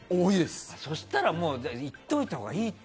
そうしたらいっておいたほうがいいって。